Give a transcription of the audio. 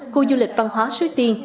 khu du lịch văn hóa sứ tiên